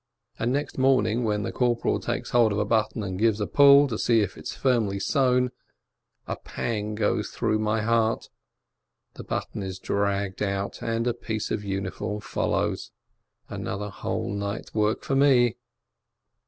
And next morning, when the corporal takes hold of a button and gives a pull, to see if it's firmly sewn, a pang goes through my heart : the button is dragged out, and a piece of the uniform follows. Another whole night's work for me